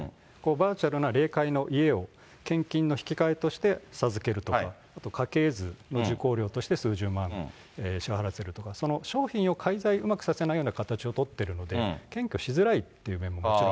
バーチャルな霊界の家を献金の引き換えとして授けるとか、あと家系図、受講料として数十万支払わせるとか、その商品を介在、うまくさせないような形を取っているので、検挙しづらいという面